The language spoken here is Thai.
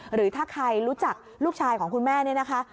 หรือถ้าใครรู้จักลูกชายของคุณแม่นี่นะคะ